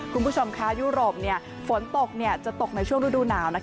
คุณผู้ชมค่ะยุโรปฝนตกจะตกในช่วงฤดูหนาว